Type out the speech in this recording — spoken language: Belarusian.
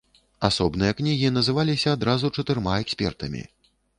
Асобныя кнігі называліся адразу чатырма экспертамі.